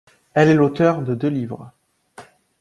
Elle est l’auteur de deux livres.